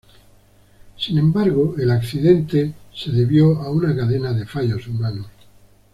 Sin embargo, el accidente se debió a una cadena de fallos humanos.